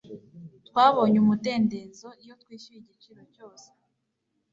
twabonye umudendezo iyo twishyuye igiciro cyose